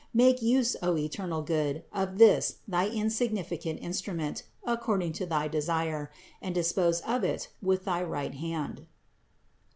Make use, O eternal Good, of this thy insignificant instrument according to thy desire, and dispose of it with thy right hand."